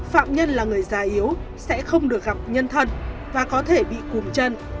phạm nhân là người già yếu sẽ không được gặp nhân thân và có thể bị cùng chân